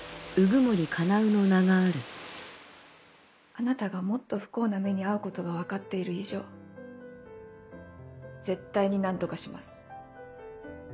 あなたがもっと不幸な目に遭うことが分かっている以上絶対に何とかします。